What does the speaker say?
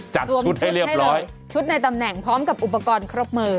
จัดชุดให้เรียบร้อยชุดในตำแหงพร้อมกับอุปกรณ์ครอบเมือ